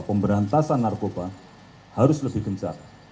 pemberantasan narkoba harus lebih gencar